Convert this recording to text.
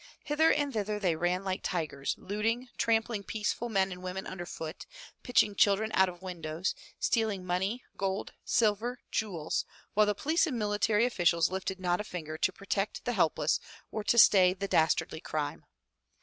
Hither and thither they ran Jike tigers, looting, trampling peaceful men and women under foot, pitching children out of windows, stealing money, gold, silver, jewels, while the police and military officials lifted not a finger to protect the help less or to stay the dastardly crime.